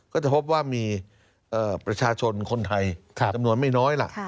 ก็จะพบว่ามีประชาชนคนไทยจำนวนไม่น้อยล่ะ